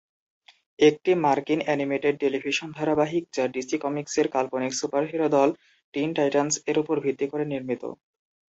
একটি মার্কিন animated television ধারাবাহিক, যা ডিসি কমিক্সের কাল্পনিক সুপারহিরো দল "টিন টাইটান্স" এর উপর ভিত্তি করে নির্মিত।